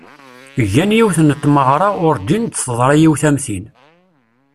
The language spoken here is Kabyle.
Gan yiwet n tmeɣra, urǧin d-teḍri yiwet am tin.